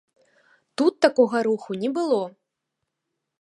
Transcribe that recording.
Тут такога руху не было.